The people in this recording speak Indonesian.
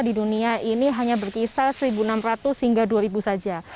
di dunia ini hanya berkisar satu enam ratus hingga dua saja